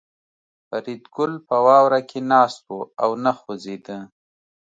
فریدګل په واوره کې ناست و او نه خوځېده